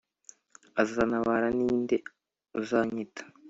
azantabara Ni nde uzanyita